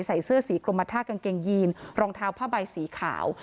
ใส่เสื้อสีกรมท่ากางเกงยีนรองเท้าผ้าใบสีขาว